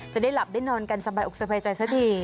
จะได้หลับได้นอนกันสบายอกสบายใจซะที